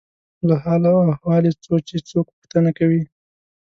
له حال او احوال یې څو چې څوک پوښتنه کوي.